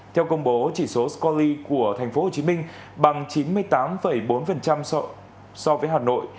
theo công bố chỉ số scoli của tp hcm bằng chín mươi tám bốn so với hà nội